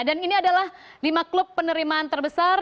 dan ini adalah lima klub penerimaan terbesar